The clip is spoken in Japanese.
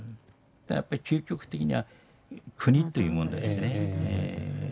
やっぱり究極的には国という問題ですね。